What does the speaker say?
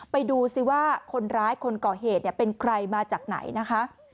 ไปดูซิว่าคนร้ายคนก่อเหตุเป็นใครมาจากไหนนะคะ